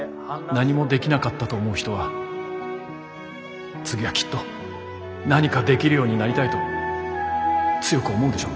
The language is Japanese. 何もできなかったと思う人は次はきっと何かできるようになりたいと強く思うでしょ？